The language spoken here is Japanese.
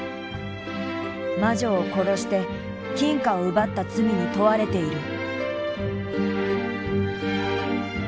魔女を殺して金貨を奪った罪に問われている。